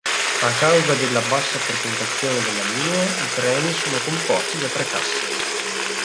A causa della bassa frequentazione della linea, i treni sono composti da tre casse.